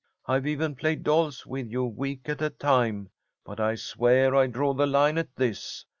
I've even played dolls with you week at a time, but I swear I draw the line at this.